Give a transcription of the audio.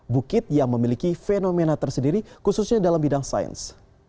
bukit yang memiliki fenomena tersendiri khususnya dalam bidang sains